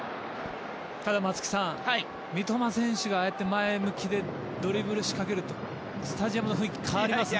ただ、松木さん三笘選手がああやって前向きにドリブルを仕掛けるとスタジアムの雰囲気が変わりますね。